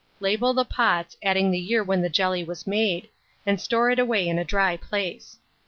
Label the pots, adding the year when the jelly was made, and store it away in a dry place.